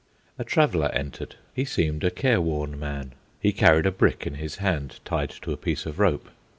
A traveller entered. He seemed a careworn man. He carried a brick in his hand, tied to a piece of rope.